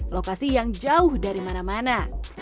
lokasi yang jauh dari mana mana